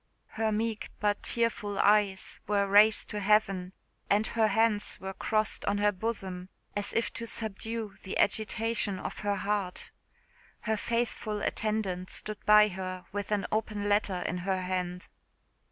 Her meek but tearful eyes were raised to heaven, and her hands were crossed on her bosom, as if to subdue the agitation of her heart. Her faithful attendant stood by her with an open letter in her hand.